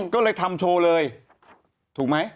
ก็เลยทำโชว์เลยถูกไหม